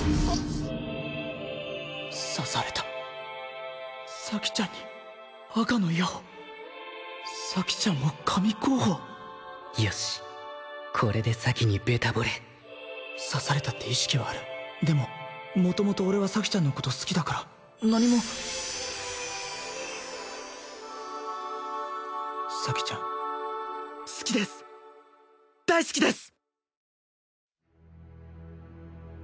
刺された咲ちゃんに赤の矢を咲ちゃんも神候補よしこれで咲にベタぼれ刺されたって意識はあるでも元々俺は咲ちゃんのこと好きだから何も咲ちゃん好きです大好きです！